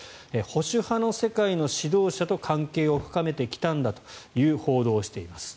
保守派の世界の指導者と関係を深めてきたんだという報道をしています。